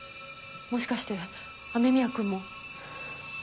もしかして雨宮くんも。